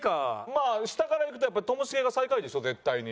まあ下からいくとやっぱりともしげが最下位でしょ絶対に。